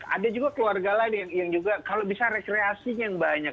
ada juga keluarga lain yang juga kalau bisa rekreasinya yang banyak